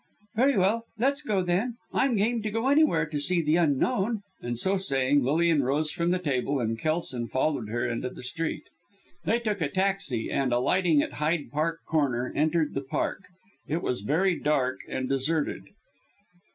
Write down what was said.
"Very well, let's go, then. I'm game to go anywhere to see the Unknown," and so saying Lilian rose from the table, and Kelson followed her into the street. They took a taxi, and alighting at Hyde Park Corner entered the Park. It was very dark and deserted.